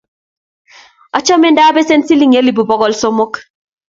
Achame ndapesen siling elipu pokol somok